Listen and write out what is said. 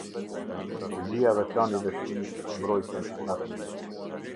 Strategjia dhe Plani i Veprimit për Mbrojtjen e Natyrës.